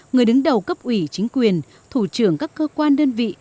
người đứng đầu cấp ủy chính quyền thủ trưởng các cơ quan đơn vị